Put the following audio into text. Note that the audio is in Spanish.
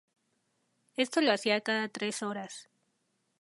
Esto lo hacía cada tres horas.